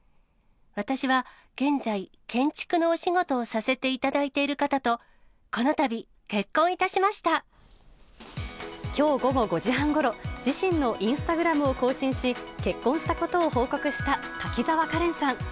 私は、現在、建築のお仕事をさせていただいている方と、このたび結婚いたしまきょう午後５時半ごろ、自身のインスタグラムを更新し、結婚したことを報告した滝沢カレ